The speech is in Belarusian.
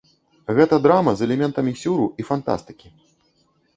Гэта драма з элементамі сюру і фантастыкі.